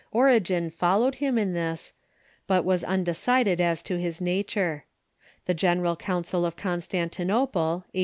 Origen followed him in this, but was undecided as to his nature. The General Coun cil of Constantinople, a.